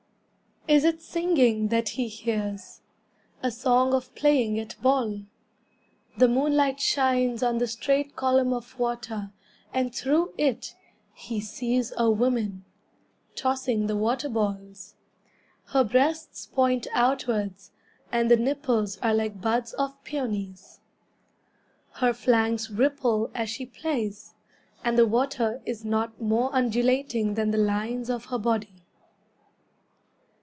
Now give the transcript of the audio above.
Is it singing that he hears? A song of playing at ball? The moonlight shines on the straight column of water, And through it he sees a woman, Tossing the water balls. Her breasts point outwards, And the nipples are like buds of peonies. Her flanks ripple as she plays, And the water is not more undulating Than the lines of her body.